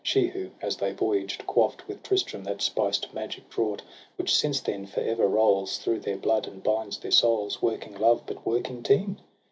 She who, as they voyaged, quaff' d With Tristram that spiced magic draught, Which since then for ever rolls Through their blood, and binds their souls, Working love, but working teen?